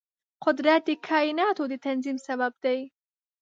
قدرت د کایناتو د تنظیم سبب دی.